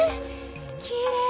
きれい！